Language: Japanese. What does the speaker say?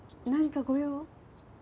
何かご用？